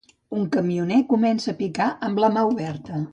Un camioner comença a picar amb la mà oberta.